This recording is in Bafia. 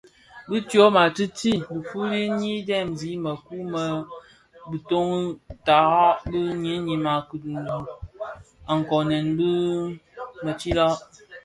Bi tyoma tïti dhifuli nyi dhemzi mëkuu më bïtoki tara bi ňyinim bë nkoomen bii bë tsilag.